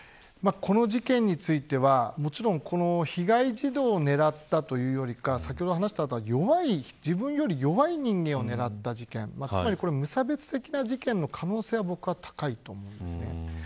この事件については被害児童を狙ったというより自分より弱い人間を狙った事件つまり無差別的な事件の可能性が高いと思います。